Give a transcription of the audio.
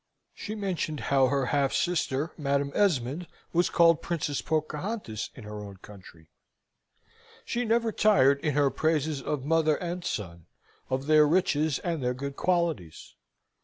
She mentioned how her half sister, Madam Esmond, was called Princess Pocahontas in her own country. She never tired in her praises of mother and son, of their riches and their good qualities.